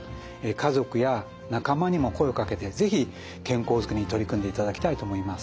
家族や仲間にも声をかけて是非健康づくりに取り組んでいただきたいと思います。